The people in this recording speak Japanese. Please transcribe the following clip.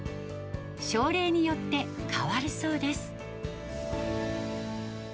症例によって、変わるそうです。